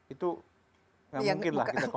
itu nggak mungkin lah kita